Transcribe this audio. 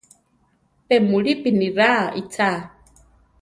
Pe mulípi niráa ichá.